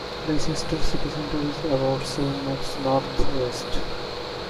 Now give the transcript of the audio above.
Leicester City Centre is about seven miles north west.